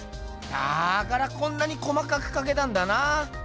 だからこんなに細かくかけたんだな。